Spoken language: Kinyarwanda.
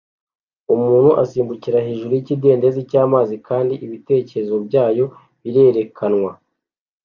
Umuntu asimbukira hejuru yikidendezi cyamazi kandi ibitekerezo byayo birerekanwa